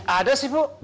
ada sih bu